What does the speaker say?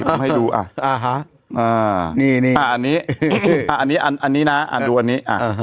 ผมให้ดูอ่าอ่านี่นี่อ่าอันนี้อันนี้น่ะอ่าดูอันนี้อ่า